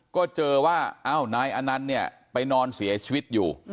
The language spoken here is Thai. ก็เจอว่าน้ายอันนั้นไปนอนเสียชีวิตอยู่